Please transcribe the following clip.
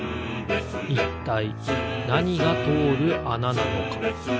いったいなにがとおるあななのか？